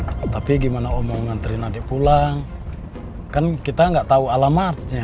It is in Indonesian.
hai tapi gimana om mau nganterin adik pulang kan kita nggak tahu alamatnya